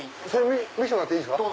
見せてもらっていいですか？